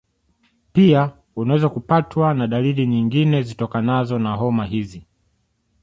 pia unaweza kupatwa na dalili nyingine zitokanazo na homa hizi